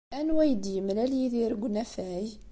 Anwa ay d-yemlal Yidir deg unafag?